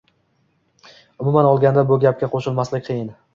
Umuman olganda bu gapga qo‘shilmaslik qiyin